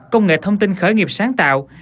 công nghệ thông tin khởi nghiệp sáng tạo